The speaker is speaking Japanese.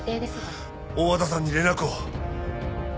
大和田さんに連絡を！